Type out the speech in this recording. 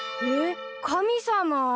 えっ神様！？